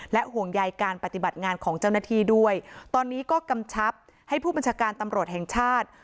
ห่วงใยการปฏิบัติงานของเจ้าหน้าที่ด้วยตอนนี้ก็กำชับให้ผู้บัญชาการตำรวจแห่งชาติ